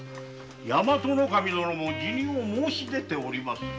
大和守殿も辞任を申し出ております。